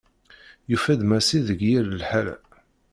Yufa-d Massi deg yir lḥala.